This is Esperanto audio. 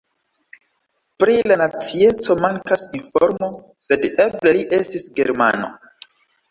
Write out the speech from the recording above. Pri la nacieco mankas informo, sed eble li estis germano.